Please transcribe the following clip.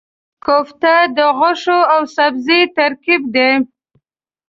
کوفته د غوښې او سبزي ترکیب دی.